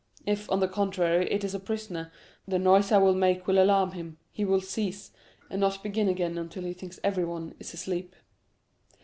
If, on the contrary, it is a prisoner, the noise I make will alarm him, he will cease, and not begin again until he thinks everyone is asleep."